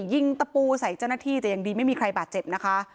ยิงตะปูใส่เจ้าหน้าที่แต่ยังดีไม่มีใครบาดเจ็บนะคะ